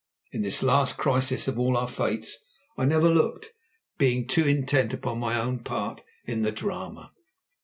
In this last crisis of all our fates I never looked, being too intent upon my own part in the drama.